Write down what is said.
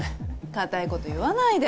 固いこと言わないで。